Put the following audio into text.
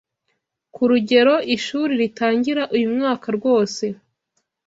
Kurugero ishuri ritangira uyumwaka rwose